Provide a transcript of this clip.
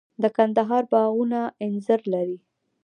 د کندهار باغونه انځر لري.